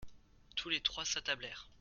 Tous les trois s'attablèrent.